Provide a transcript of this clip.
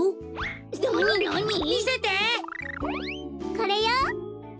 これよ。